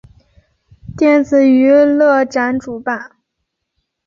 电子娱乐展主办。